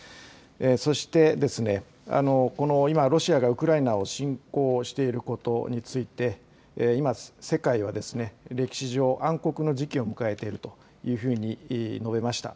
そして、今、ロシアがウクライナを侵攻していることについて、今、世界は歴史上、暗黒の時期を迎えているというふうに述べました。